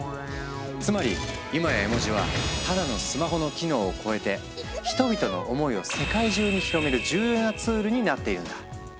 つまり今や絵文字はただのスマホの機能を超えて人々の思いを世界中に広める重要なツールになっているんだ。